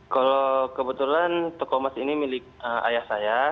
kalau kebetulan toko emas ini milik ayah saya